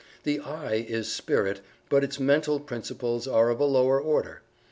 The "I" is Spirit, but its mental principles are of a lower order.